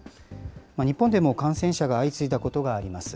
日本でも感染者が相次いだことがあります。